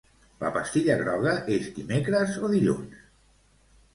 La pastilla groga, és dimecres o dilluns?